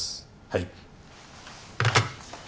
はい。